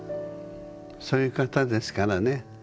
そういう方ですからね。